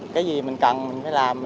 cái gì mình cần mình phải làm